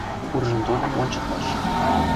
Куржын тольым ончыкташ...